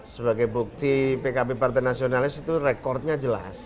sebagai bukti pkb partai nasionalis itu rekodnya jelas